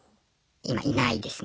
今いないですね。